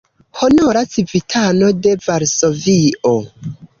Honora civitano de Varsovio.